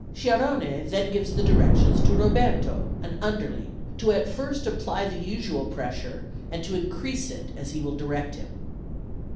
Sciarrone then gives the directions to Roberto, an underling, to at first apply the usual pressure, and to increase it as he will direct him.